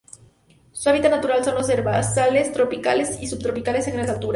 Su hábitat natural son los herbazales tropicales y subtropicales en grandes alturas.